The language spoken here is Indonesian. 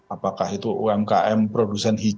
apakah itu umkm produsen hijau